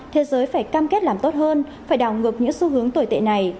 thế giới phải cam kết làm tốt hơn phải đảo ngược những xu hướng tồi tệ này